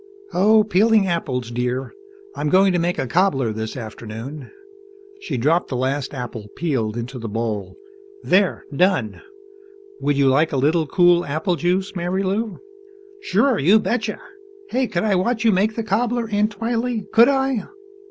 "Oh, peeling apples, dear. I'm going to make a cobbler this afternoon." She dropped the last apple, peeled, into the bowl. "There, done. Would you like a little cool apple juice, Marilou?" "Sure you betcha! Hey, could I watch you make the cobbler, Aunt Twylee, could I?